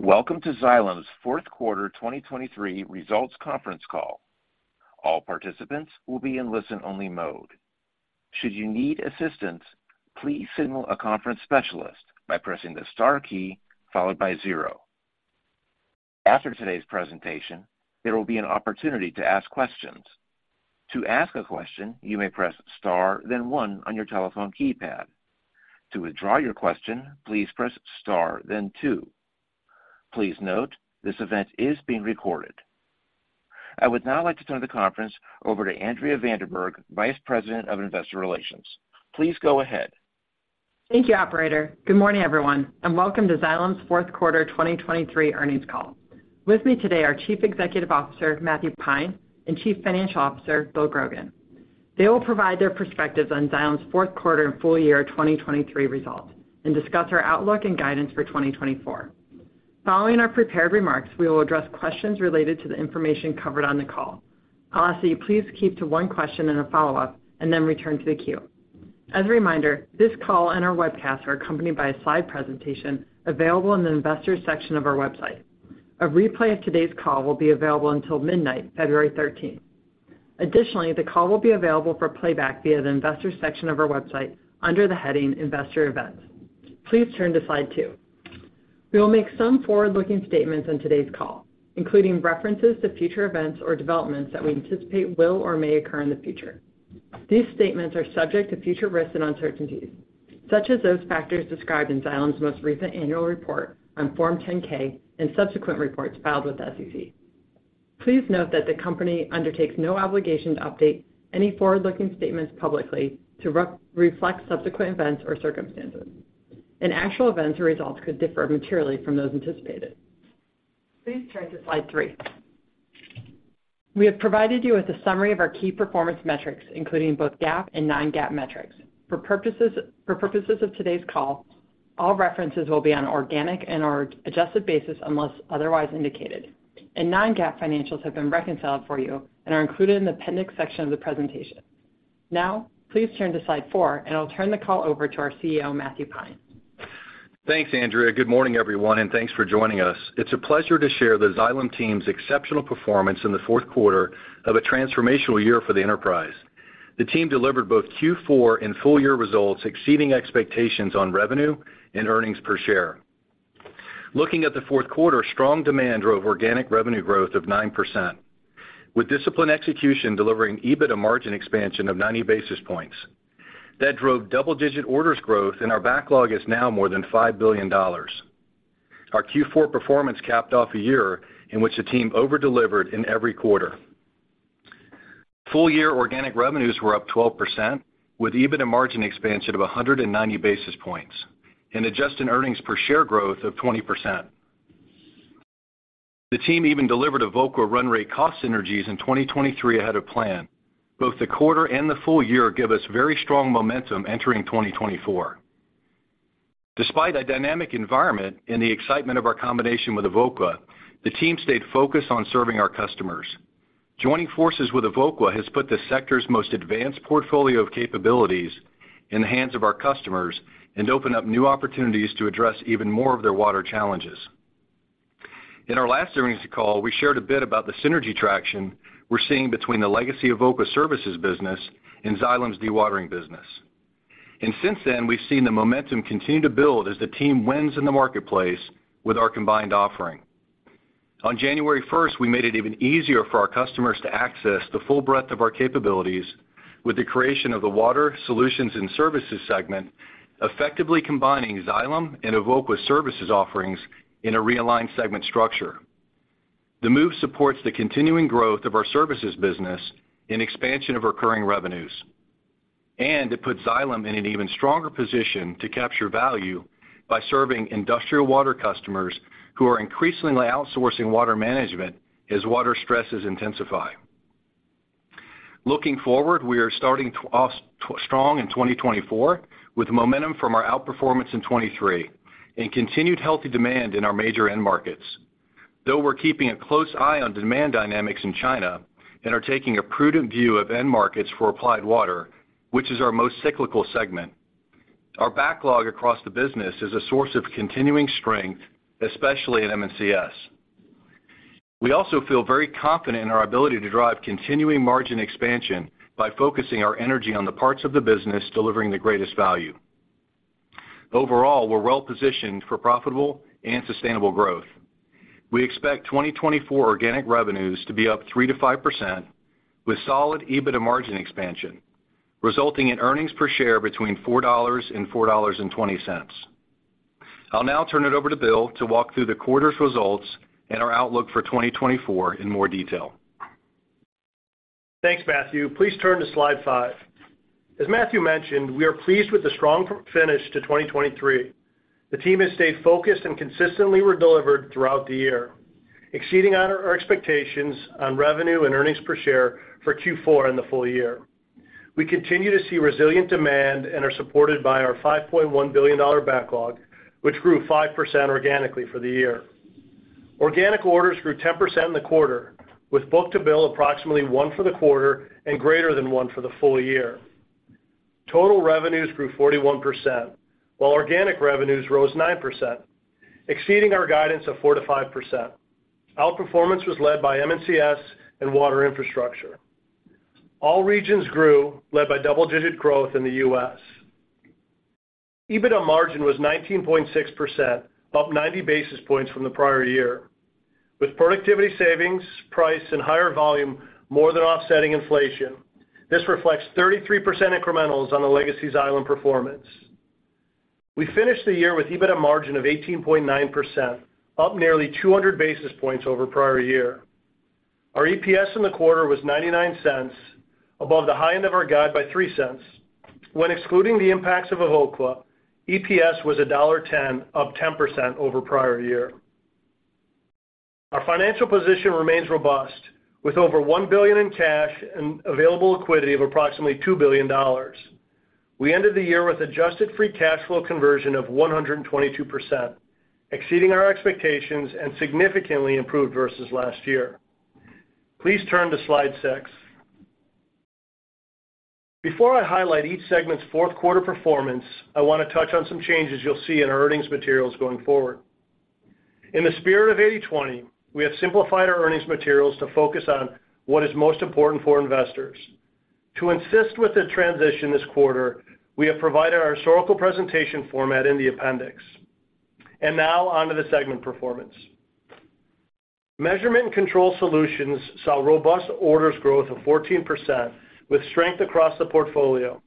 Welcome to Xylem's Fourth Quarter 2023 Results Conference Call. All participants will be in listen-only mode. Should you need assistance, please signal a conference specialist by pressing the star key followed by zero. After today's presentation, there will be an opportunity to ask questions. To ask a question, you may press star, then one on your telephone keypad. To withdraw your question, please press star, then two. Please note, this event is being recorded. I would now like to turn the conference over to Andrea van der Berg, Vice President of Investor Relations. Please go ahead. Thank you, operator. Good morning, everyone, and welcome to Xylem's fourth quarter 2023 earnings call. With me today are Chief Executive Officer, Matthew Pine, and Chief Financial Officer, Bill Grogan. They will provide their perspectives on Xylem's fourth quarter and full year 2023 results and discuss our outlook and guidance for 2024. Following our prepared remarks, we will address questions related to the information covered on the call. I'll ask that you please keep to one question and a follow-up, and then return to the queue. As a reminder, this call and our webcast are accompanied by a slide presentation available in the Investors section of our website. A replay of today's call will be available until midnight, February 13. Additionally, the call will be available for playback via the Investors section of our website under the heading Investor Events. Please turn to slide 2. We will make some forward-looking statements on today's call, including references to future events or developments that we anticipate will or may occur in the future. These statements are subject to future risks and uncertainties, such as those factors described in Xylem's most recent annual report on Form 10-K and subsequent reports filed with the SEC. Please note that the company undertakes no obligation to update any forward-looking statements publicly to re-reflect subsequent events or circumstances, and actual events or results could differ materially from those anticipated. Please turn to slide 3. We have provided you with a summary of our key performance metrics, including both GAAP and non-GAAP metrics. For purposes, for purposes of today's call, all references will be on an organic and/or adjusted basis unless otherwise indicated, and non-GAAP financials have been reconciled for you and are included in the appendix section of the presentation. Now, please turn to slide four, and I'll turn the call over to our CEO, Matthew Pine. Thanks, Andrea. Good morning, everyone, and thanks for joining us. It's a pleasure to share the Xylem team's exceptional performance in the fourth quarter of a transformational year for the enterprise. The team delivered both Q4 and full year results, exceeding expectations on revenue and earnings per share. Looking at the fourth quarter, strong demand drove organic revenue growth of 9%, with disciplined execution delivering EBITDA margin expansion of 90 basis points. That drove double-digit orders growth, and our backlog is now more than $5 billion. Our Q4 performance capped off a year in which the team over-delivered in every quarter. Full year organic revenues were up 12%, with EBITDA margin expansion of 190 basis points and adjusted earnings per share growth of 20%. The team even delivered Evoqua run rate cost synergies in 2023 ahead of plan. Both the quarter and the full year give us very strong momentum entering 2024. Despite a dynamic environment and the excitement of our combination with Evoqua, the team stayed focused on serving our customers. Joining forces with Evoqua has put the sector's most advanced portfolio of capabilities in the hands of our customers and opened up new opportunities to address even more of their water challenges. In our last earnings call, we shared a bit about the synergy traction we're seeing between the legacy Evoqua Services business and Xylem's Dewatering business. Since then, we've seen the momentum continue to build as the team wins in the marketplace with our combined offering. On January first, we made it even easier for our customers to access the full breadth of our capabilities with the creation of the Water Solutions and Services segment, effectively combining Xylem and Evoqua services offerings in a realigned segment structure. The move supports the continuing growth of our services business and expansion of recurring revenues, and it puts Xylem in an even stronger position to capture value by serving industrial water customers who are increasingly outsourcing water management as water stresses intensify. Looking forward, we are starting off strong in 2024, with momentum from our outperformance in 2023 and continued healthy demand in our major end markets. Though we're keeping a close eye on demand dynamics in China and are taking a prudent view of end markets for Applied Water, which is our most cyclical segment, our backlog across the business is a source of continuing strength, especially in M&CS. We also feel very confident in our ability to drive continuing margin expansion by focusing our energy on the parts of the business delivering the greatest value. Overall, we're well-positioned for profitable and sustainable growth. We expect 2024 organic revenues to be up 3%-5%, with solid EBITDA margin expansion, resulting in earnings per share between $4 and $4.20. I'll now turn it over to Bill to walk through the quarter's results and our outlook for 2024 in more detail. Thanks, Matthew. Please turn to slide 5. As Matthew mentioned, we are pleased with the strong finish to 2023. The team has stayed focused and consistently delivered throughout the year, exceeding on our expectations on revenue and earnings per share for Q4 and the full year. We continue to see resilient demand and are supported by our $5.1 billion backlog, which grew 5% organically for the year. Organic orders grew 10% in the quarter, with book-to-bill approximately 1 for the quarter and greater than 1 for the full year.... Total revenues grew 41%, while organic revenues rose 9%, exceeding our guidance of 4%-5%. Outperformance was led by M&CS and Water Infrastructure. All regions grew, led by double-digit growth in the U.S. EBITDA margin was 19.6%, up 90 basis points from the prior year. With productivity savings, price, and higher volume more than offsetting inflation, this reflects 33% incrementals on the legacy Xylem performance. We finished the year with EBITDA margin of 18.9%, up nearly 200 basis points over prior year. Our EPS in the quarter was $0.99, above the high end of our guide by $0.03. When excluding the impacts of Evoqua, EPS was $1.10, up 10% over prior year. Our financial position remains robust, with over $1 billion in cash and available liquidity of approximately $2 billion. We ended the year with adjusted free cash flow conversion of 122%, exceeding our expectations and significantly improved versus last year. Please turn to slide 6. Before I highlight each segment's fourth quarter performance, I want to touch on some changes you'll see in our earnings materials going forward. In the spirit of 80/20, we have simplified our earnings materials to focus on what is most important for investors. To assist with the transition this quarter, we have provided our historical presentation format in the appendix. Now, on to the segment performance. Measurement & Control Solutions saw robust orders growth of 14%, with strength across the portfolio,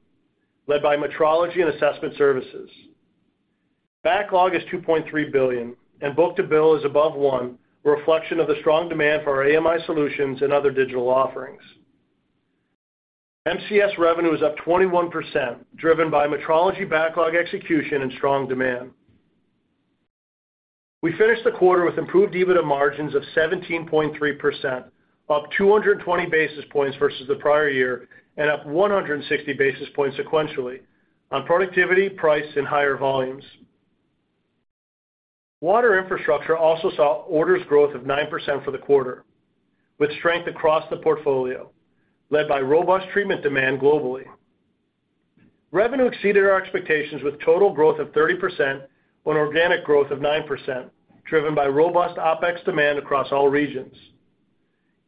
led by metrology and assessment services. Backlog is $2.3 billion, and Book-to-Bill is above 1, a reflection of the strong demand for our AMI solutions and other digital offerings. MCS revenue is up 21%, driven by metrology backlog execution and strong demand. We finished the quarter with improved EBITDA margins of 17.3%, up 220 basis points versus the prior year, and up 160 basis points sequentially on productivity, price, and higher volumes. Water Infrastructure also saw orders growth of 9% for the quarter, with strength across the portfolio, led by robust treatment demand globally. Revenue exceeded our expectations with total growth of 30% on organic growth of 9%, driven by robust OpEx demand across all regions.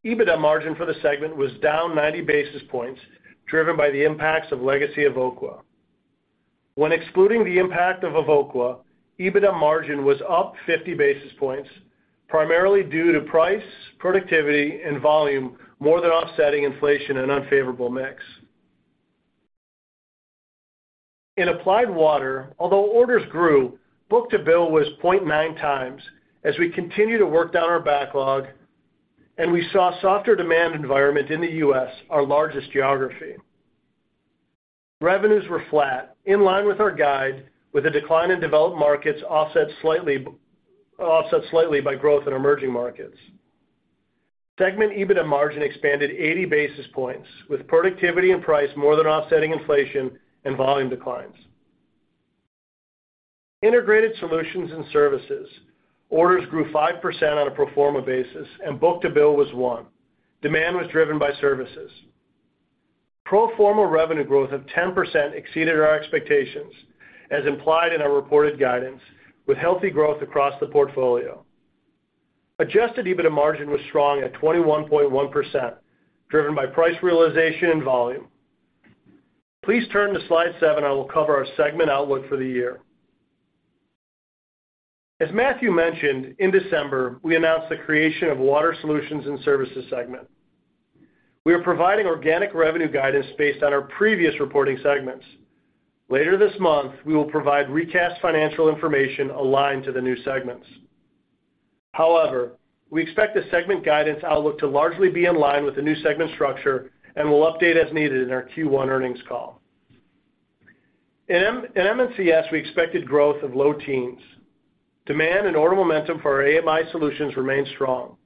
EBITDA margin for the segment was down 90 basis points, driven by the impacts of legacy Evoqua. When excluding the impact of Evoqua, EBITDA margin was up 50 basis points, primarily due to price, productivity, and volume more than offsetting inflation and unfavorable mix. In Applied Water, although orders grew, book-to-bill was 0.9 times as we continue to work down our backlog, and we saw a softer demand environment in the U.S., our largest geography. Revenues were flat, in line with our guide, with a decline in developed markets offset slightly by growth in emerging markets. Segment EBITDA margin expanded 80 basis points, with productivity and price more than offsetting inflation and volume declines. Integrated Solutions and Services, orders grew 5% on a pro forma basis, and book-to-bill was 1. Demand was driven by services. Pro forma revenue growth of 10% exceeded our expectations, as implied in our reported guidance, with healthy growth across the portfolio. Adjusted EBITDA margin was strong at 21.1%, driven by price realization and volume. Please turn to slide 7, and I will cover our segment outlook for the year. As Matthew mentioned, in December, we announced the creation of Water Solutions and Services segment. We are providing organic revenue guidance based on our previous reporting segments. Later this month, we will provide recast financial information aligned to the new segments. However, we expect the segment guidance outlook to largely be in line with the new segment structure and will update as needed in our Q1 earnings call. In M&CS, we expected growth of low teens. Demand and order momentum for our AMI solutions remain strong.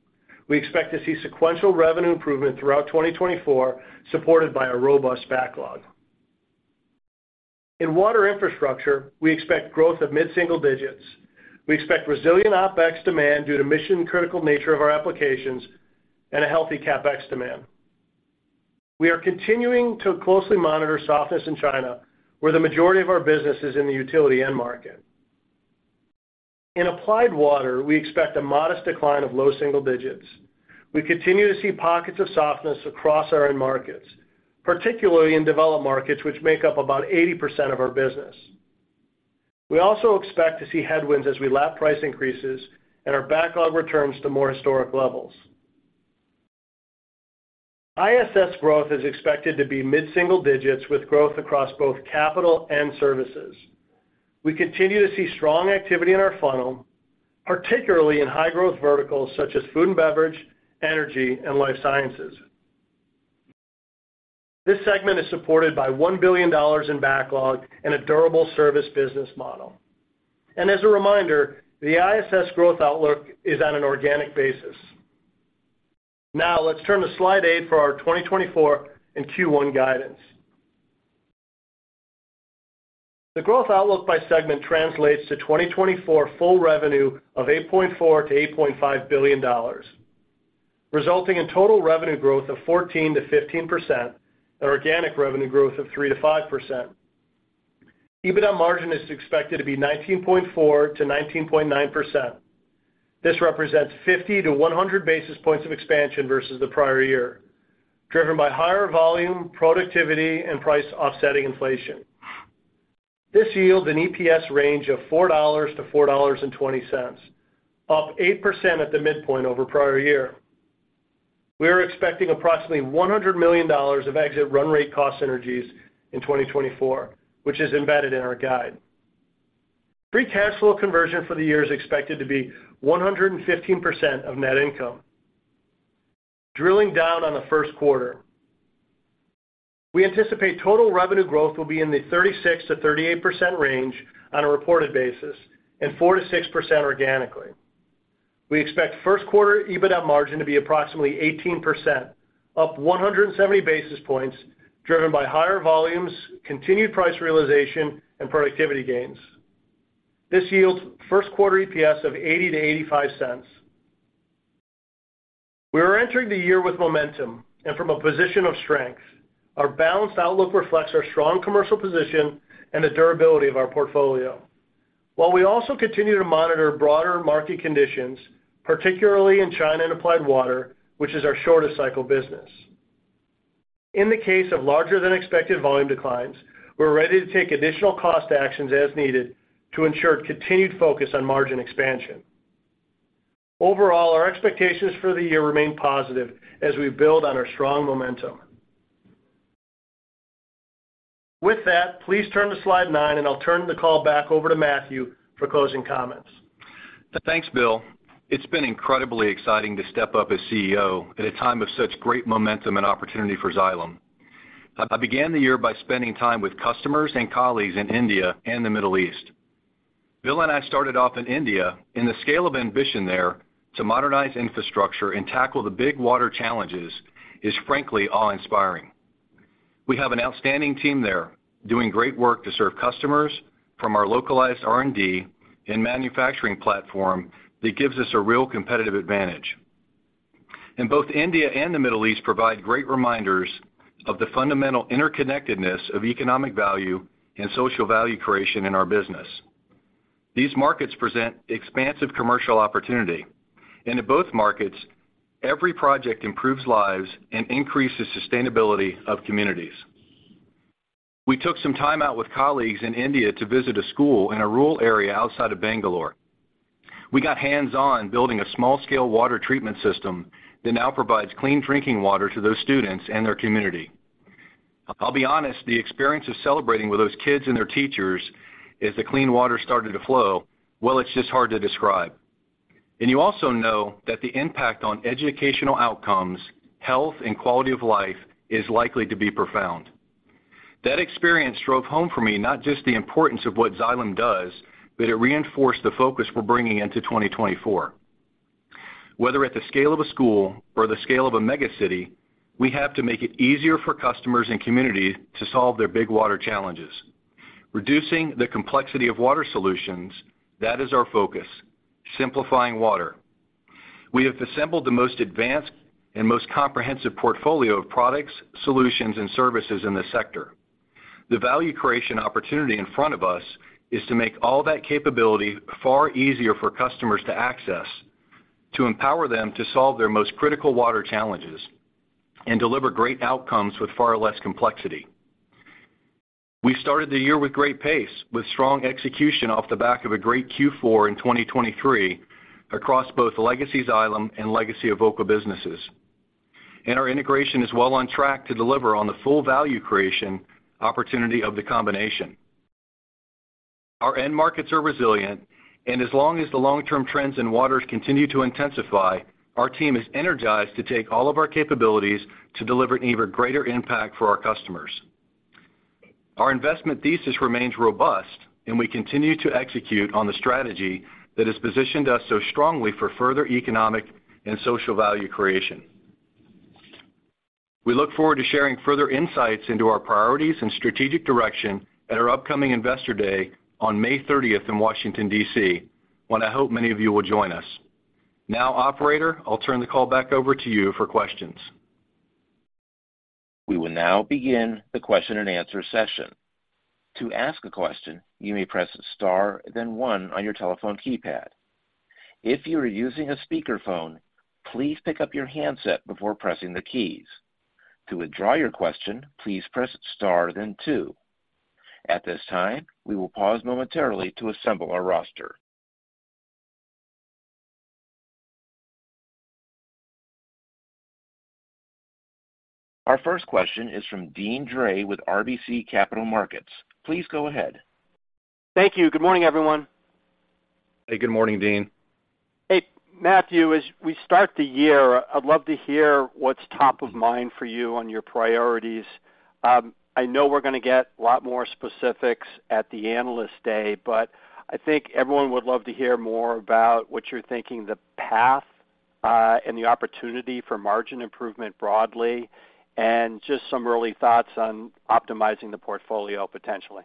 We expect to see sequential revenue improvement throughout 2024, supported by a robust backlog. In Water Infrastructure, we expect growth of mid-single digits. We expect resilient OpEx demand due to mission-critical nature of our applications and a healthy CapEx demand. We are continuing to closely monitor softness in China, where the majority of our business is in the utility end market. In Applied Water, we expect a modest decline of low single digits. We continue to see pockets of softness across our end markets, particularly in developed markets, which make up about 80% of our business. We also expect to see headwinds as we lap price increases and our backlog returns to more historic levels. ISS growth is expected to be mid-single digits, with growth across both capital and services. We continue to see strong activity in our funnel, particularly in high-growth verticals, such as food and beverage, energy, and life sciences. This segment is supported by $1 billion in backlog and a durable service business model. As a reminder, the ISS growth outlook is on an organic basis. Now, let's turn to slide 8 for our 2024 and Q1 guidance. The growth outlook by segment translates to 2024 full revenue of $8.4 billion-$8.5 billion, resulting in total revenue growth of 14%-15% and organic revenue growth of 3%-5%. EBITDA margin is expected to be 19.4%-19.9%. This represents 50-100 basis points of expansion versus the prior year, driven by higher volume, productivity, and price offsetting inflation. This yields an EPS range of $4-$4.20, up 8% at the midpoint over prior year. We are expecting approximately $100 million of exit run rate cost synergies in 2024, which is embedded in our guide. Free cash flow conversion for the year is expected to be 115% of net income. Drilling down on the first quarter, we anticipate total revenue growth will be in the 36%-38% range on a reported basis and 4%-6% organically. We expect first quarter EBITDA margin to be approximately 18%, up 170 basis points, driven by higher volumes, continued price realization, and productivity gains. This yields first quarter EPS of $0.80-$0.85. We are entering the year with momentum and from a position of strength. Our balanced outlook reflects our strong commercial position and the durability of our portfolio. While we also continue to monitor broader market conditions, particularly in China and Applied Water, which is our shortest cycle business. In the case of larger than expected volume declines, we're ready to take additional cost actions as needed to ensure continued focus on margin expansion. Overall, our expectations for the year remain positive as we build on our strong momentum. With that, please turn to slide 9, and I'll turn the call back over to Matthew for closing comments. Thanks, Bill. It's been incredibly exciting to step up as CEO at a time of such great momentum and opportunity for Xylem. I, I began the year by spending time with customers and colleagues in India and the Middle East. Bill and I started off in India, and the scale of ambition there to modernize infrastructure and tackle the big water challenges is, frankly, awe-inspiring. We have an outstanding team there, doing great work to serve customers from our localized R&D and manufacturing platform that gives us a real competitive advantage. Both India and the Middle East provide great reminders of the fundamental interconnectedness of economic value and social value creation in our business. These markets present expansive commercial opportunity, and in both markets, every project improves lives and increases sustainability of communities. We took some time out with colleagues in India to visit a school in a rural area outside of Bangalore. We got hands-on building a small-scale water treatment system that now provides clean drinking water to those students and their community. I'll be honest, the experience of celebrating with those kids and their teachers as the clean water started to flow, well, it's just hard to describe. And you also know that the impact on educational outcomes, health, and quality of life is likely to be profound. That experience drove home for me, not just the importance of what Xylem does, but it reinforced the focus we're bringing into 2024. Whether at the scale of a school or the scale of a megacity, we have to make it easier for customers and communities to solve their big water challenges. Reducing the complexity of water solutions, that is our focus, simplifying water. We have assembled the most advanced and most comprehensive portfolio of products, solutions, and services in the sector. The value creation opportunity in front of us is to make all that capability far easier for customers to access, to empower them to solve their most critical water challenges and deliver great outcomes with far less complexity. We started the year with great pace, with strong execution off the back of a great Q4 in 2023 across both legacy Xylem and legacy Evoqua businesses. Our integration is well on track to deliver on the full value creation opportunity of the combination. Our end markets are resilient, and as long as the long-term trends in waters continue to intensify, our team is energized to take all of our capabilities to deliver an even greater impact for our customers. Our investment thesis remains robust, and we continue to execute on the strategy that has positioned us so strongly for further economic and social value creation. We look forward to sharing further insights into our priorities and strategic direction at our upcoming Investor Day on May 30 in Washington, D.C., when I hope many of you will join us. Now, operator, I'll turn the call back over to you for questions. We will now begin the question-and-answer session. To ask a question, you may press Star, then one on your telephone keypad. If you are using a speakerphone, please pick up your handset before pressing the keys. To withdraw your question, please press Star then two. At this time, we will pause momentarily to assemble our roster. Our first question is from Deane Dray with RBC Capital Markets. Please go ahead. Thank you. Good morning, everyone. Hey, good morning, Deane. Hey, Matthew, as we start the year, I'd love to hear what's top of mind for you on your priorities. I know we're going to get a lot more specifics at the Analyst Day, but I think everyone would love to hear more about what you're thinking the path and the opportunity for margin improvement broadly, and just some early thoughts on optimizing the portfolio potentially.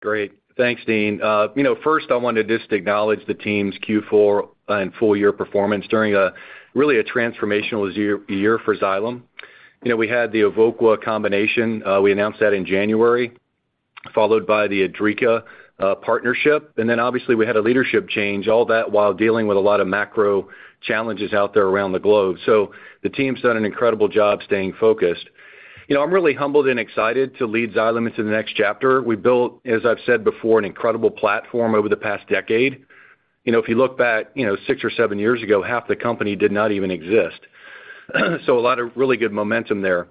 Great. Thanks, Deane. You know, first, I wanted just to acknowledge the team's Q4 and full year performance during a really transformational year for Xylem. You know, we had the Evoqua combination, we announced that in January, followed by the Idrica partnership. And then obviously, we had a leadership change, all that while dealing with a lot of macro challenges out there around the globe. So the team's done an incredible job staying focused. You know, I'm really humbled and excited to lead Xylem into the next chapter. We've built, as I've said before, an incredible platform over the past decade. You know, if you look back, you know, six or seven years ago, half the company did not even exist. So a lot of really good momentum there.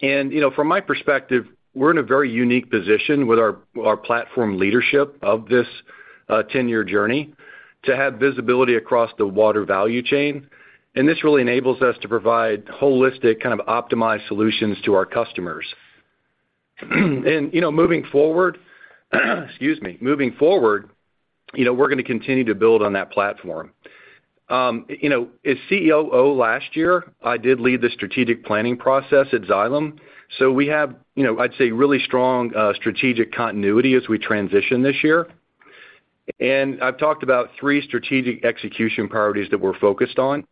You know, from my perspective, we're in a very unique position with our, our platform leadership of this ten-year journey, to have visibility across the water value chain. This really enables us to provide holistic, kind of optimized solutions to our customers. You know, moving forward, excuse me. Moving forward, you know, we're gonna continue to build on that platform. You know, as COO last year, I did lead the strategic planning process at Xylem, so we have, you know, I'd say, really strong strategic continuity as we transition this year. I've talked about three strategic execution priorities that we're focused on.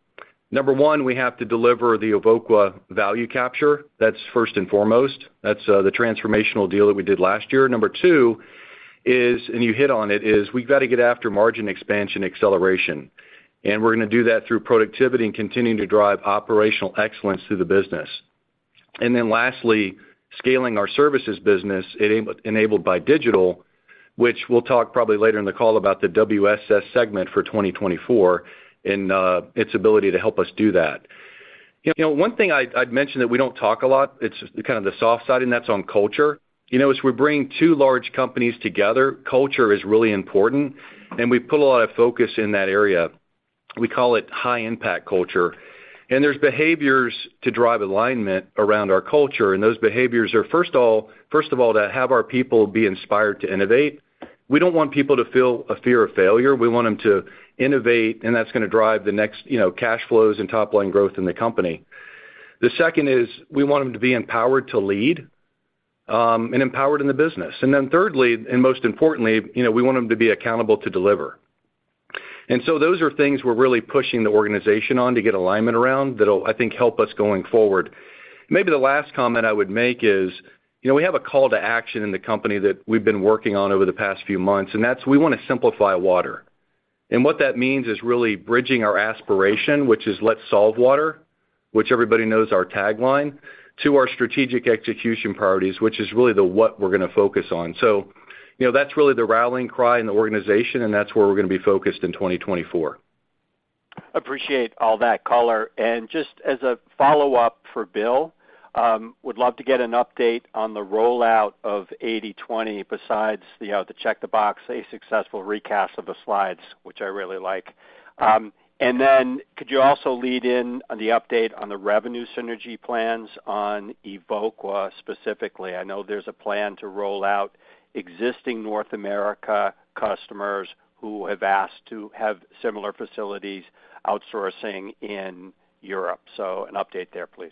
Number one, we have to deliver the Evoqua value capture. That's first and foremost. That's the transformational deal that we did last year. Number two is, and you hit on it, is we've got to get after margin expansion acceleration, and we're gonna do that through productivity and continuing to drive operational excellence through the business. And then lastly, scaling our services business, enabled by digital, which we'll talk probably later in the call about the WSS segment for 2024 and its ability to help us do that. You know, one thing I'd mention that we don't talk a lot, it's kind of the soft side, and that's on culture. You know, as we bring two large companies together, culture is really important, and we put a lot of focus in that area. We call it high impact culture. And there's behaviors to drive alignment around our culture, and those behaviors are, first of all, to have our people be inspired to innovate. We don't want people to feel a fear of failure. We want them to innovate, and that's gonna drive the next, you know, cash flows and top-line growth in the company. The second is, we want them to be empowered to lead, and empowered in the business. And then thirdly, and most importantly, you know, we want them to be accountable to deliver. And so those are things we're really pushing the organization on to get alignment around that'll, I think, help us going forward. Maybe the last comment I would make is, you know, we have a call to action in the company that we've been working on over the past few months, and that's we want to simplify water. What that means is really bridging our aspiration, which is, "Let's solve water," which everybody knows our tagline, to our strategic execution priorities, which is really the, what we're gonna focus on. So, you know, that's really the rallying cry in the organization, and that's where we're gonna be focused in 2024. Appreciate all that color. And just as a follow-up for Bill, would love to get an update on the rollout of 80/20, besides, you know, the check the box, a successful recast of the slides, which I really like. And then could you also lead in on the update on the revenue synergy plans on Evoqua, specifically? I know there's a plan to roll out existing North America customers who have asked to have similar facilities outsourcing in Europe. So an update there, please.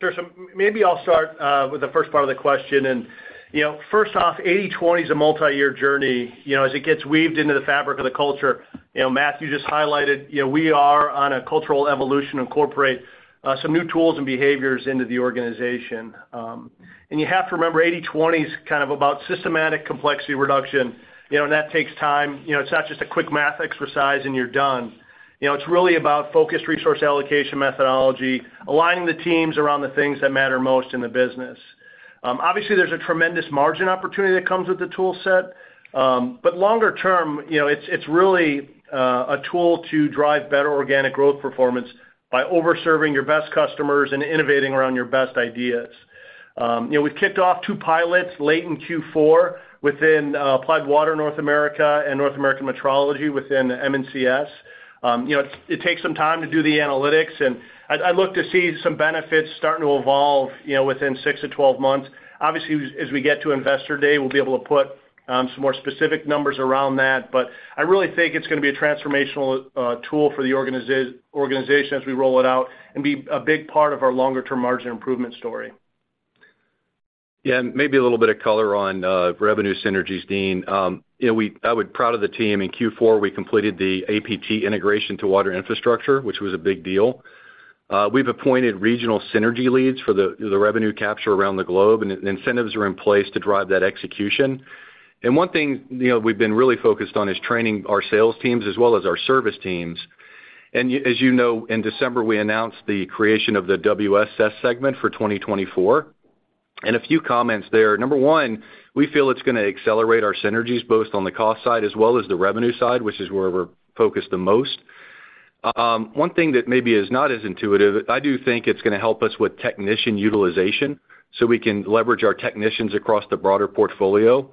Sure. So maybe I'll start with the first part of the question. And, you know, first off, 80/20 is a multi-year journey. You know, as it gets weaved into the fabric of the culture, you know, Matthew just highlighted, you know, we are on a cultural evolution to incorporate some new tools and behaviors into the organization. And you have to remember, 80/20 is kind of about systematic complexity reduction, you know, and that takes time. You know, it's not just a quick math exercise, and you're done. You know, it's really about focused resource allocation methodology, aligning the teams around the things that matter most in the business. Obviously, there's a tremendous margin opportunity that comes with the tool set. But longer term, you know, it's really a tool to drive better organic growth performance by over-serving your best customers and innovating around your best ideas. You know, we've kicked off two pilots late in Q4 within Applied Water North America and North American Metrology within the M&CS. You know, it takes some time to do the analytics, and I'd look to see some benefits starting to evolve, you know, within 6-12 months. Obviously, as we get to Investor Day, we'll be able to put some more specific numbers around that. But I really think it's gonna be a transformational tool for the organization as we roll it out and be a big part of our longer-term margin improvement story. Yeah, and maybe a little bit of color on revenue synergies, Deane. You know, I was proud of the team. In Q4, we completed the Evoqua integration to Water Infrastructure, which was a big deal. We've appointed regional synergy leads for the, the revenue capture around the globe, and incentives are in place to drive that execution. And one thing, you know, we've been really focused on is training our sales teams as well as our service teams. As you know, in December, we announced the creation of the WSS segment for 2024. And a few comments there: number one, we feel it's gonna accelerate our synergies, both on the cost side as well as the revenue side, which is where we're focused the most. One thing that maybe is not as intuitive, I do think it's gonna help us with technician utilization, so we can leverage our technicians across the broader portfolio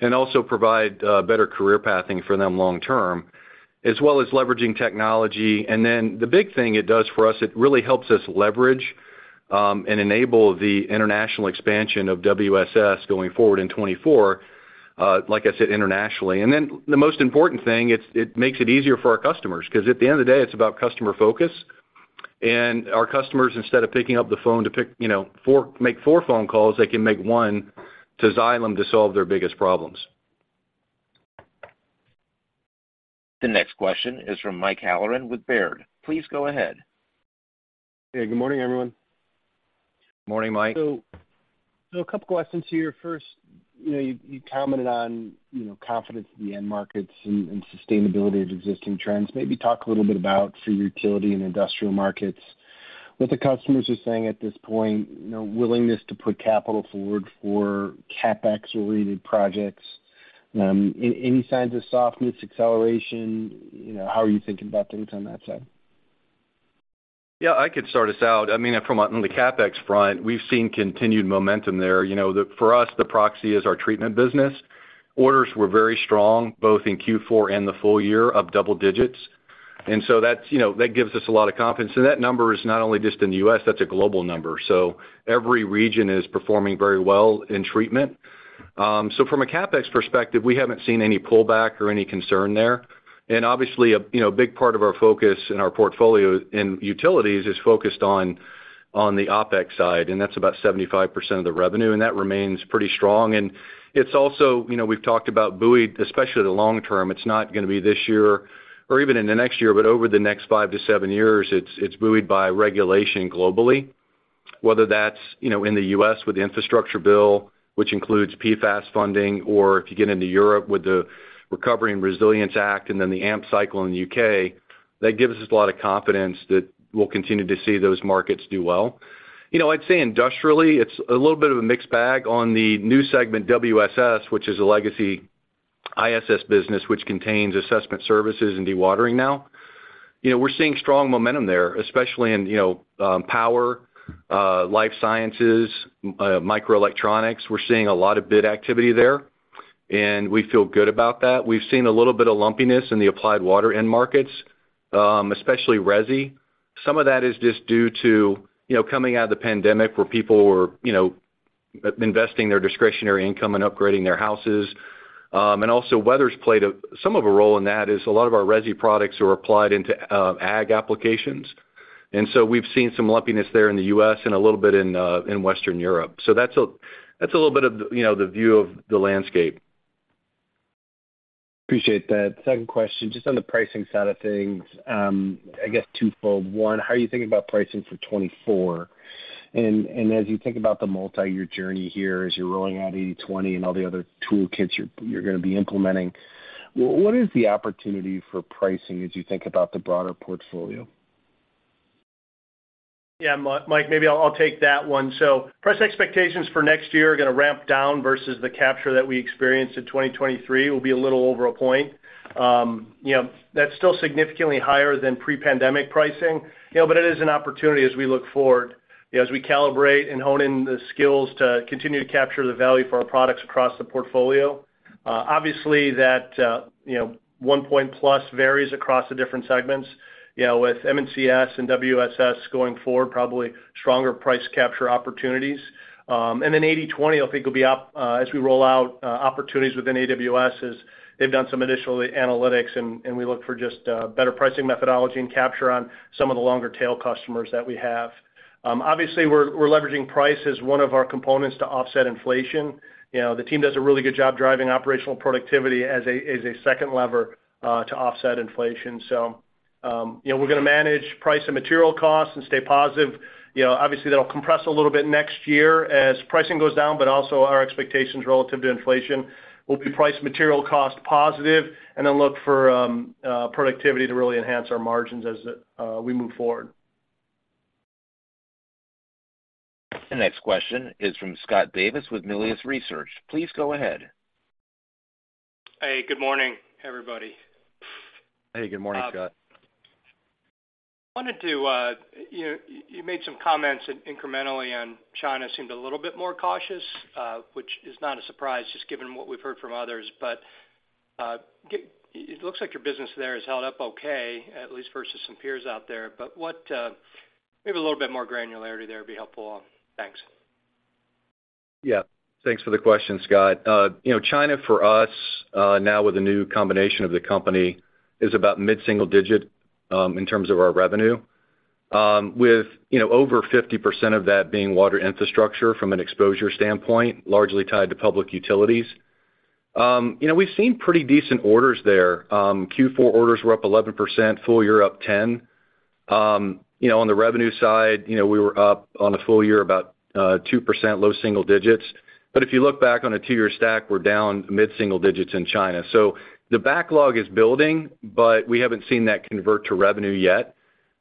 and also provide better career pathing for them long term, as well as leveraging technology. And then the big thing it does for us, it really helps us leverage and enable the international expansion of WSS going forward in 2024, like I said, internationally. And then the most important thing, it makes it easier for our customers, because at the end of the day, it's about customer focus. And our customers, instead of picking up the phone to make four phone calls, they can make one to Xylem to solve their biggest problems. The next question is from Mike Halloran with Baird. Please go ahead. Hey, good morning, everyone. Morning, Mike. So a couple questions here. First, you know, you commented on, you know, confidence in the end markets and sustainability of existing trends. Maybe talk a little bit about for utility and industrial markets, what the customers are saying at this point, you know, willingness to put capital forward for CapEx-related projects. Any signs of softness, acceleration? You know, how are you thinking about things on that side? Yeah, I could start us out. I mean, from on the CapEx front, we've seen continued momentum there. You know, the for us, the proxy is our treatment business. Orders were very strong, both in Q4 and the full year of double digits. And so that's, you know, that gives us a lot of confidence. And that number is not only just in the U.S., that's a global number. So every region is performing very well in treatment. So from a CapEx perspective, we haven't seen any pullback or any concern there. And obviously, you know, big part of our focus and our portfolio in utilities is focused on the OpEx side, and that's about 75% of the revenue, and that remains pretty strong. And it's also, you know, we've talked about buoyed, especially the long term. It's not gonna be this year or even in the next year, but over the next 5-7 years, it's buoyed by regulation globally. Whether that's, you know, in the U.S. with the infrastructure bill, which includes PFAS funding, or if you get into Europe with the Recovery and Resilience Act and then the AMP cycle in the U.K., that gives us a lot of confidence that we'll continue to see those markets do well. You know, I'd say industrially, it's a little bit of a mixed bag on the new segment, WSS, which is a legacy ISS business, which contains assessment services and dewatering now. You know, we're seeing strong momentum there, especially in, you know, power, life sciences, microelectronics. We're seeing a lot of bid activity there, and we feel good about that. We've seen a little bit of lumpiness in the Applied Water end markets, especially resi. Some of that is just due to, you know, coming out of the pandemic, where people were, you know, investing their discretionary income and upgrading their houses. And also, weather's played some of a role in that, as a lot of our resi products are applied into ag applications. And so we've seen some lumpiness there in the U.S. and a little bit in Western Europe. So that's a little bit of the, you know, the view of the landscape. Appreciate that. Second question, just on the pricing side of things, I guess twofold. One, how are you thinking about pricing for 2024? And, and as you think about the multi-year journey here, as you're rolling out 80/20 and all the other toolkits you're, you're gonna be implementing, what is the opportunity for pricing as you think about the broader portfolio? Yeah, Mike, maybe I'll take that one. So price expectations for next year are gonna ramp down versus the capture that we experienced in 2023, will be a little over a point. You know, that's still significantly higher than pre-pandemic pricing, you know, but it is an opportunity as we look forward, you know, as we calibrate and hone in the skills to continue to capture the value for our products across the portfolio. Obviously, that, you know, 1 point plus varies across the different segments, you know, with M&CS and WSS going forward, probably stronger price capture opportunities. And then 80/20, I think, will be up, as we roll out opportunities within AWS, as they've done some additional analytics, and we look for just better pricing methodology and capture on some of the longer tail customers that we have. Obviously, we're leveraging price as one of our components to offset inflation. You know, the team does a really good job driving operational productivity as a second lever to offset inflation. So, you know, we're gonna manage price and material costs and stay positive. You know, obviously, that'll compress a little bit next year as pricing goes down, but also our expectations relative to inflation will be price, material, cost positive, and then look for productivity to really enhance our margins as we move forward. The next question is from Scott Davis with Melius Research. Please go ahead. Hey, good morning, everybody. Hey, good morning, Scott. I wanted to. You made some comments incrementally on China, seemed a little bit more cautious, which is not a surprise, just given what we've heard from others. But it looks like your business there has held up okay, at least versus some peers out there. But what, maybe a little bit more granularity there would be helpful. Thanks. Yeah. Thanks for the question, Scott. You know, China for us, now with the new combination of the company, is about mid-single digit in terms of our revenue. With, you know, over 50% of that being water infrastructure from an exposure standpoint, largely tied to public utilities. You know, we've seen pretty decent orders there. Q4 orders were up 11%, full year up 10%. You know, on the revenue side, you know, we were up on a full year about 2%, low single digits. But if you look back on a two-year stack, we're down mid-single digits in China. So the backlog is building, but we haven't seen that convert to revenue yet.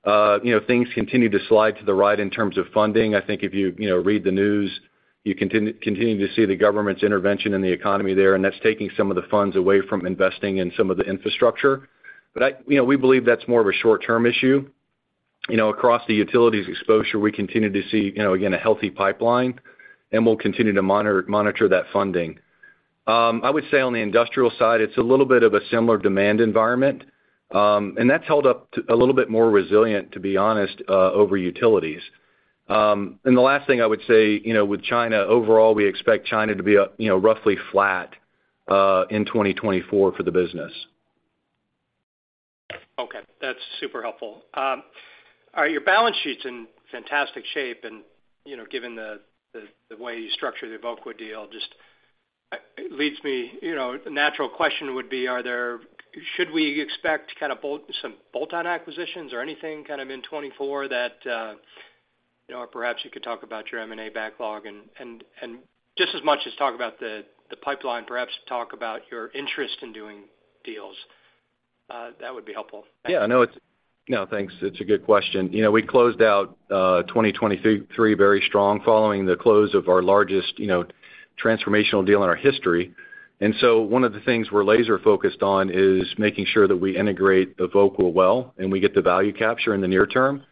You know, things continue to slide to the right in terms of funding. I think if you, you know, read the news, you continue to see the government's intervention in the economy there, and that's taking some of the funds away from investing in some of the infrastructure. But you know, we believe that's more of a short-term issue. You know, across the utilities exposure, we continue to see, you know, again, a healthy pipeline, and we'll continue to monitor that funding. I would say on the industrial side, it's a little bit of a similar demand environment. And that's held up a little bit more resilient, to be honest, over utilities. And the last thing I would say, you know, with China, overall, we expect China to be, you know, roughly flat in 2024 for the business. Okay, that's super helpful. All right, your balance sheet's in fantastic shape, and, you know, given the way you structured the Evoqua deal, just, it leads me, you know, the natural question would be, are there-- should we expect to kind of bolt-- some bolt-on acquisitions or anything kind of in 2024 that... You know, or perhaps you could talk about your M&A backlog, and just as much as talk about the pipeline, perhaps talk about your interest in doing deals. That would be helpful. Yeah, no, it's no, thanks. It's a good question. You know, we closed out 2023 very strong following the close of our largest, you know, transformational deal in our history. And so one of the things we're laser focused on is making sure that we integrate Evoqua well, and we get the value capture in the near term.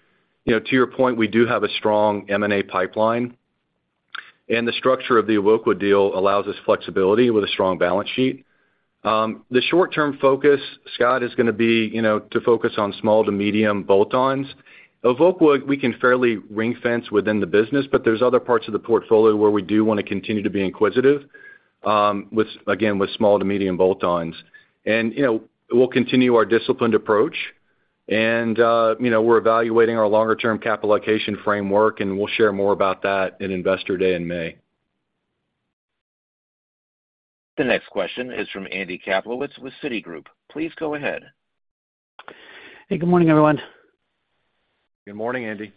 You know, to your point, we do have a strong M&A pipeline, and the structure of the Evoqua deal allows us flexibility with a strong balance sheet. The short-term focus, Scott, is gonna be, you know, to focus on small to medium bolt-ons. Evoqua, we can fairly ring fence within the business, but there's other parts of the portfolio where we do want to continue to be inquisitive, with, again, with small to medium bolt-ons. You know, we'll continue our disciplined approach, and, you know, we're evaluating our longer-term capital allocation framework, and we'll share more about that in Investor Day in May. The next question is from Andy Kaplowitz with Citigroup. Please go ahead. Hey, good morning, everyone. Good morning, Andy.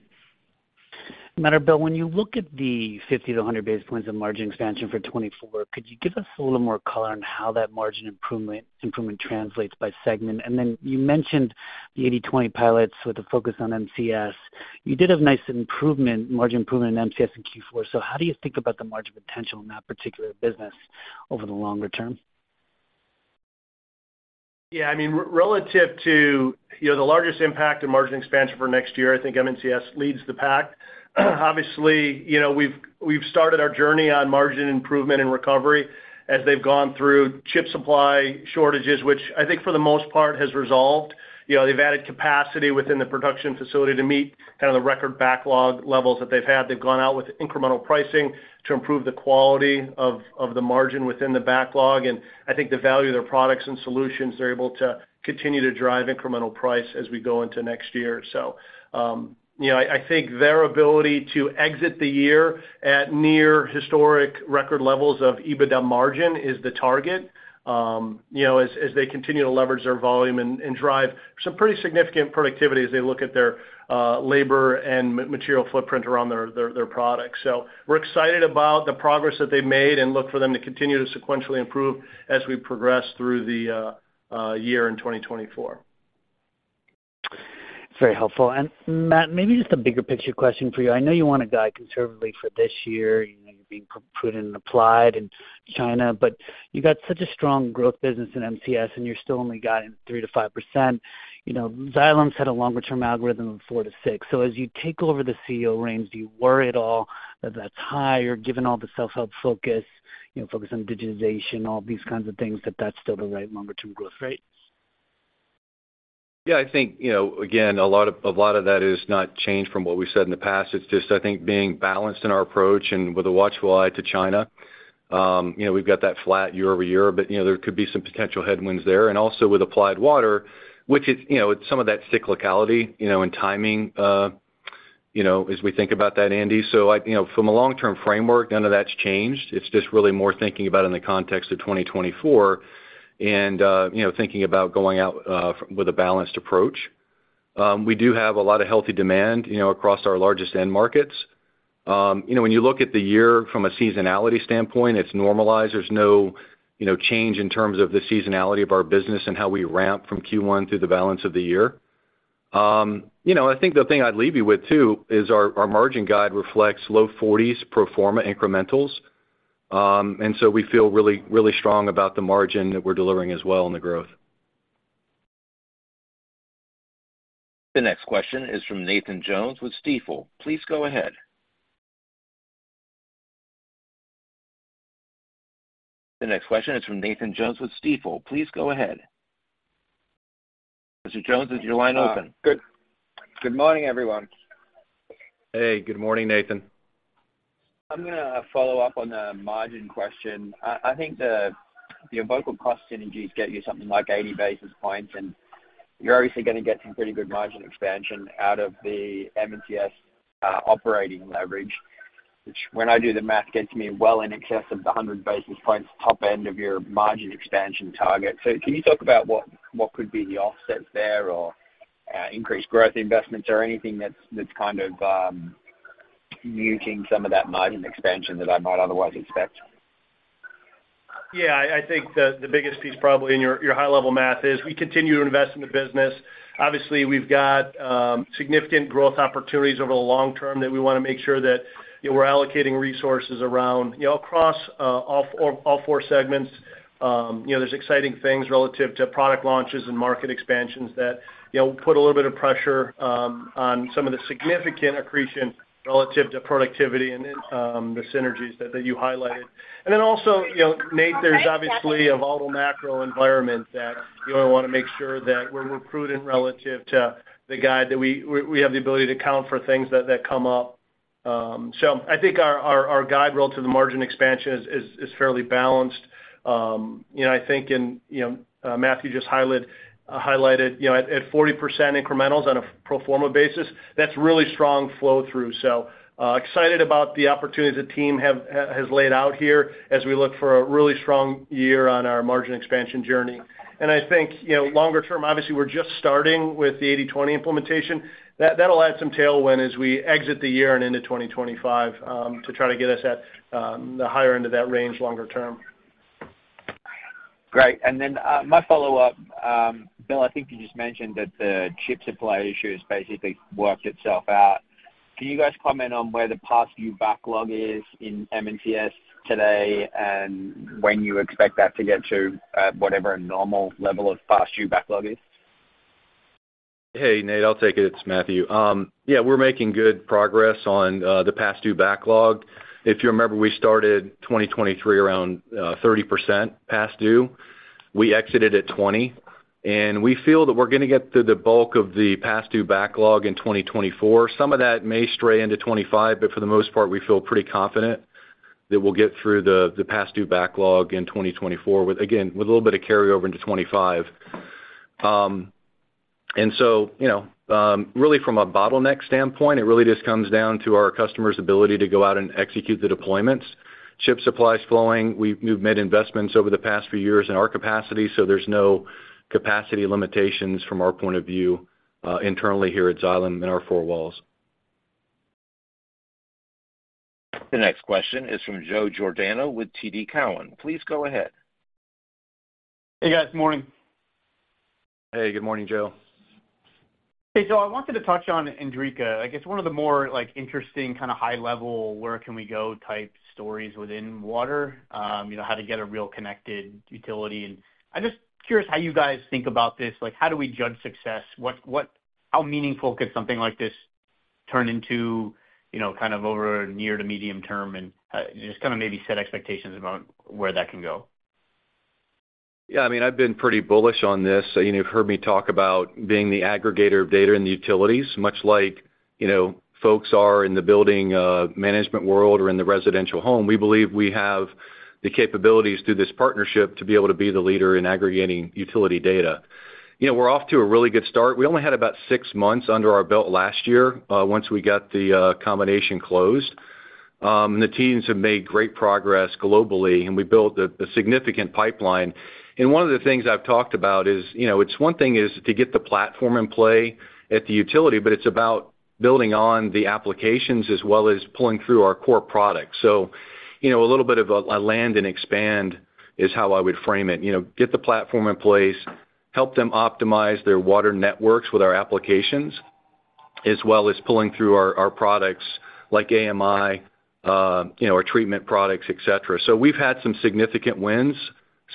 Matt or Bill, when you look at the 50-100 basis points of margin expansion for 2024, could you give us a little more color on how that margin improvement, improvement translates by segment? And then you mentioned the 80/20 pilots with a focus on MCS. You did have nice improvement, margin improvement in MCS in Q4. So how do you think about the margin potential in that particular business over the longer term? Yeah, I mean, relative to, you know, the largest impact in margin expansion for next year, I think M&CS leads the pack. Obviously, you know, we've started our journey on margin improvement and recovery as they've gone through chip supply shortages, which I think for the most part has resolved. You know, they've added capacity within the production facility to meet kind of the record backlog levels that they've had. They've gone out with incremental pricing to improve the quality of the margin within the backlog, and I think the value of their products and solutions, they're able to continue to drive incremental price as we go into next year. So, you know, I think their ability to exit the year at near historic record levels of EBITDA margin is the target, you know, as they continue to leverage their volume and drive some pretty significant productivity as they look at their labor and material footprint around their products. So we're excited about the progress that they've made and look for them to continue to sequentially improve as we progress through the year in 2024. Very helpful. And Matt, maybe just a bigger picture question for you. I know you want to guide conservatively for this year. You know, you're being prudent and applied in China, but you've got such a strong growth business in MCS, and you're still only guiding 3%-5%. You know, Xylem's had a longer term algorithm of 4%-6%. So as you take over the CEO reins, do you worry at all that that's higher, given all the self-help focus, you know, focus on digitization, all these kinds of things, that that's still the right longer-term growth rate? Yeah, I think, you know, again, a lot of, a lot of that is not changed from what we've said in the past. It's just, I think, being balanced in our approach and with a watchful eye to China. You know, we've got that flat year-over-year, but, you know, there could be some potential headwinds there. And also with Applied Water, which is, you know, it's some of that cyclicality, you know, and timing, you know, as we think about that, Andy. So I, you know, from a long-term framework, none of that's changed. It's just really more thinking about in the context of 2024 and, you know, thinking about going out with a balanced approach. We do have a lot of healthy demand, you know, across our largest end markets. You know, when you look at the year from a seasonality standpoint, it's normalized. There's no, you know, change in terms of the seasonality of our business and how we ramp from Q1 through the balance of the year. You know, I think the thing I'd leave you with, too, is our, our margin guide reflects low 40s pro forma incrementals. And so we feel really, really strong about the margin that we're delivering as well in the growth. The next question is from Nathan Jones with Stifel. Please go ahead. The next question is from Nathan Jones with Stifel. Please go ahead. Mr. Jones, is your line open? Good morning, everyone. Hey, good morning, Nathan. I'm gonna follow up on the margin question. I, I think the, your vocal cost synergies get you something like 80 basis points, and you're obviously gonna get some pretty good margin expansion out of the M&CS operating leverage, which, when I do the math, gets me well in excess of the 100 basis points, top end of your margin expansion target. So can you talk about what, what could be the offsets there, or increased growth investments, or anything that's, that's kind of muting some of that margin expansion that I might otherwise expect? Yeah, I think the biggest piece, probably in your high-level math, is we continue to invest in the business. Obviously, we've got significant growth opportunities over the long term that we wanna make sure that, you know, we're allocating resources around, you know, across all four segments. You know, there's exciting things relative to product launches and market expansions that, you know, put a little bit of pressure on some of the significant accretion relative to productivity and then the synergies that you highlighted. And then also, you know, Nate, there's obviously a volatile macro environment that, you know, we wanna make sure that we're prudent relative to the guide, that we have the ability to account for things that come up. So I think our guide relative to the margin expansion is fairly balanced. You know, I think Matthew just highlighted you know, at 40% incrementals on a pro forma basis, that's really strong flow-through. So, excited about the opportunities the team has laid out here as we look for a really strong year on our margin expansion journey. And I think, you know, longer term, obviously, we're just starting with the 80/20 implementation. That'll add some tailwind as we exit the year and into 2025, to try to get us at the higher end of that range longer term. Great. And then, my follow-up, Bill, I think you just mentioned that the chip supply issue has basically worked itself out. Can you guys comment on where the past due backlog is in M&CS today, and when you expect that to get to, whatever a normal level of past due backlog is? Hey, Nate, I'll take it. It's Matthew. Yeah, we're making good progress on the past due backlog. If you remember, we started 2023 around 30% past due. We exited at 20, and we feel that we're gonna get through the bulk of the past due backlog in 2024. Some of that may stray into 2025, but for the most part, we feel pretty confident that we'll get through the past due backlog in 2024, with again a little bit of carryover into 2025. And so, you know, really from a bottleneck standpoint, it really just comes down to our customers' ability to go out and execute the deployments. Chip supply is flowing. We've made investments over the past few years in our capacity, so there's no capacity limitations from our point of view, internally here at Xylem in our four walls. The next question is from Joe Giordano with TD Cowen. Please go ahead. Hey, guys. Morning. Hey, good morning, Joe. Hey, so I wanted to touch on Idrica. I guess, one of the more, like, interesting, kind of, high level, where can we go type stories within water, you know, how to get a real connected utility. And I'm just curious how you guys think about this. Like, how do we judge success? What, what-- how meaningful could something like this turn into, you know, kind of over a near to medium term? And, just kind of maybe set expectations about where that can go. Yeah, I mean, I've been pretty bullish on this. So, you know, you've heard me talk about being the aggregator of data in the utilities. Much like, you know, folks are in the building management world or in the residential home, we believe we have the capabilities through this partnership to be able to be the leader in aggregating utility data. You know, we're off to a really good start. We only had about six months under our belt last year once we got the combination closed. The teams have made great progress globally, and we built a significant pipeline. And one of the things I've talked about is, you know, it's one thing is to get the platform in play at the utility, but it's about building on the applications as well as pulling through our core products. So, you know, a little bit of a land and expand is how I would frame it. You know, get the platform in place, help them optimize their water networks with our applications, as well as pulling through our products like AMI, you know, our treatment products, et cetera. So we've had some significant wins.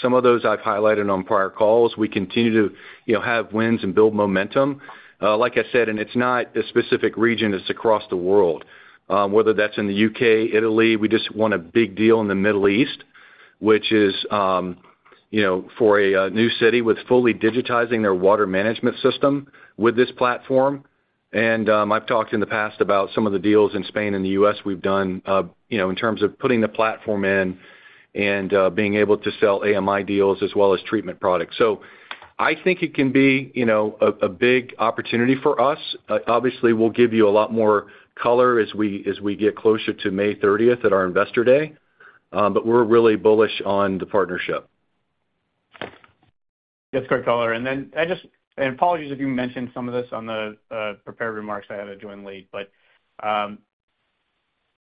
Some of those I've highlighted on prior calls. We continue to, you know, have wins and build momentum. Like I said, and it's not a specific region, it's across the world. Whether that's in the U.K., Italy, we just won a big deal in the Middle East, which is, you know, for a new city with fully digitizing their water management system with this platform. I've talked in the past about some of the deals in Spain and the U.S. we've done, you know, in terms of putting the platform in and being able to sell AMI deals as well as treatment products. So I think it can be, you know, a big opportunity for us. Obviously, we'll give you a lot more color as we get closer to May 30th at our Investor Day, but we're really bullish on the partnership. That's great color. And then, apologies if you mentioned some of this on the prepared remarks. I had to join late. But on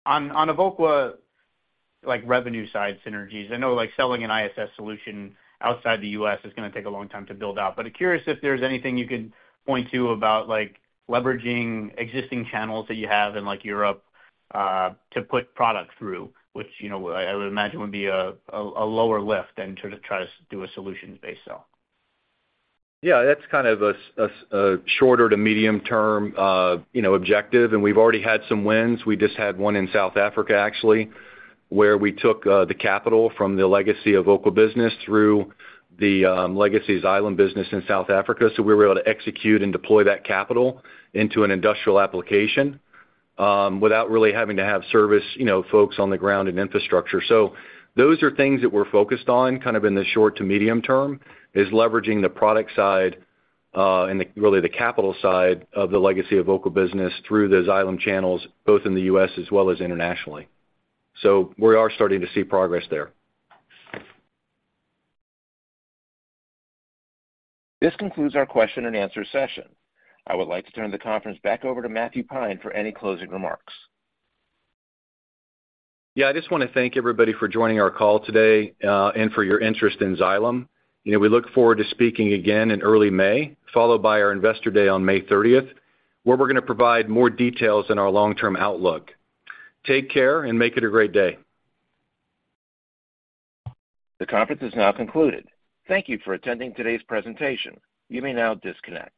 Evoqua, like, revenue side synergies, I know, like, selling an ISS solution outside the U.S. is gonna take a long time to build out. But I'm curious if there's anything you could point to about, like, leveraging existing channels that you have in, like, Europe to put product through, which, you know, I would imagine would be a lower lift than to try to do a solutions-based sell. Yeah, that's kind of a shorter to medium term, you know, objective, and we've already had some wins. We just had one in South Africa, actually, where we took the capital from the legacy Evoqua business through the legacy Xylem business in South Africa. So we were able to execute and deploy that capital into an industrial application without really having to have service, you know, folks on the ground and infrastructure. So those are things that we're focused on, kind of, in the short to medium term, is leveraging the product side and really the capital side of the legacy Evoqua business through those Xylem channels, both in the U.S. as well as internationally. So we are starting to see progress there. This concludes our question and answer session. I would like to turn the conference back over to Matthew Pine for any closing remarks. Yeah, I just wanna thank everybody for joining our call today, and for your interest in Xylem. You know, we look forward to speaking again in early May, followed by our Investor Day on May 30th, where we're gonna provide more details on our long-term outlook. Take care and make it a great day. The conference is now concluded. Thank you for attending today's presentation. You may now disconnect.